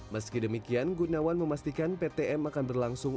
meski demikian gunawan memastikan ptm akan berlangsung